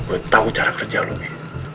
gue tahu cara kerja lo bi